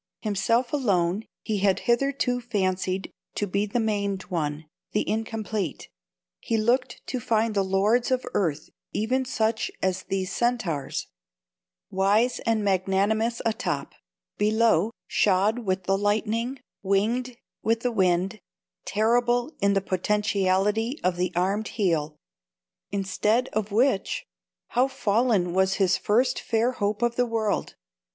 Himself alone he had hitherto fancied to be the maimed one, the incomplete; he looked to find the lords of earth even such as these Centaurs; wise and magnanimous atop: below, shod with the lightning, winged with the wind, terrible in the potentiality of the armed heel. Instead of which—! How fallen was his first fair hope of the world!